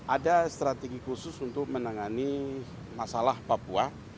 ada strategi khusus untuk menangani masalah papua